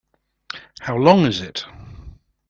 How long is it?